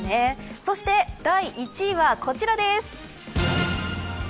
そして第１位はこちらです。